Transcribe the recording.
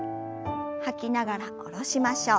吐きながら下ろしましょう。